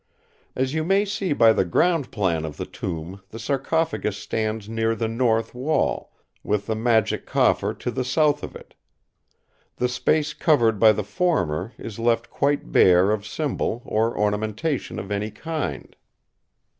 As you may see by the ground plan of the tomb the sarcophagus stands near the north wall, with the Magic Coffer to the south of it. The space covered by the former is left quite bare of symbol or ornamentation of any kind.